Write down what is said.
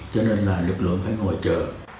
cho nên là lực lượng phải ngồi chờ